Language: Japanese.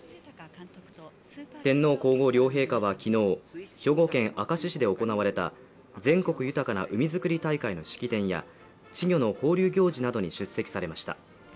天皇皇后両陛下は昨日、兵庫県明石市で行われた全国豊かな海づくり大会の式典や、稚魚の放流行事などに出席されました。